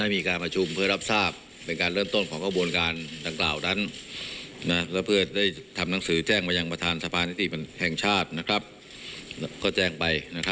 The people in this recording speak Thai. วันนี้ก็จะได้อันเชิญพระราชทายาท